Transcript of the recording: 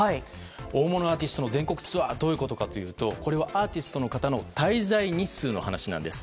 大物アーティストの全国ツアーどういうことかというとこれはアーティストの方の滞在日数の話なんです。